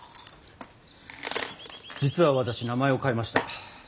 実は私名前を変えました。